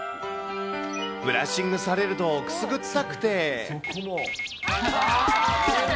ブラッシングされるとくすぐったくて。